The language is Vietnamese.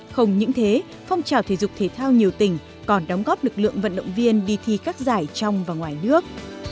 không những thế phong trào thể dục thể thao nhiều tỉnh còn đóng góp lực lượng vận động viên đi thi các giải trong và ngoài nước